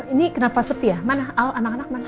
ini kenapa sepi ya mana al anak anak mana